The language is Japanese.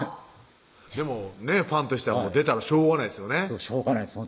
でもねファンとしては出たらしょうがないですよねしょうがないです